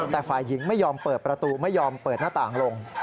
แต่ฝ่ายหญิงไม่ยอมเปิดประตูไม่ยอมเปิดหน้าต่างลง